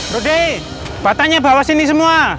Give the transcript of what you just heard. rode bapak tanya bawa sini semua